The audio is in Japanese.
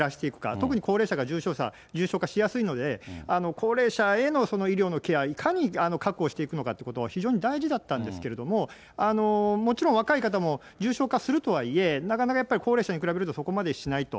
特に高齢者が重症化しやすいので、高齢者への医療のケア、いかに確保していくのかということが非常に大事だったんですけれども、もちろん、若い方も重症化するとはいえ、なかなかやっぱり高齢者に比べるとそこまでしないと。